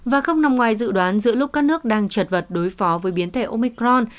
và không nằm ngoài dự đoán giữa lúc các nước đang trật vật đối phó với biến thể omicron